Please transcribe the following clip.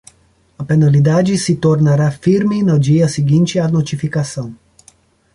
A penalidade se tornará firme no dia seguinte à notificação.